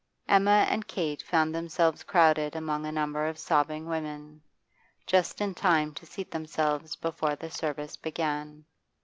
Emma and Kate found themselves crowded among a number of sobbing women, just in time to seat themselves before the service began.